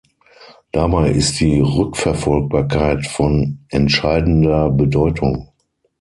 Dabei ist die Rückverfolgbarkeit von entscheidender Bedeutung.